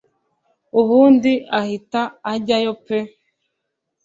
ubundi ahita ajyayo pe